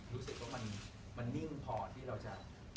รู้สึกว่ามันนิ่งพอที่เราจะ